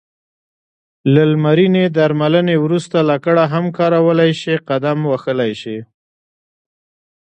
له لمرینې درملنې وروسته لکړه هم کارولای شې، قدم وهلای شې.